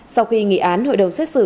sau khi nghỉ án hội đồng xét xử